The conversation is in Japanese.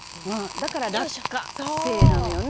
「だから“落花”生なのよね」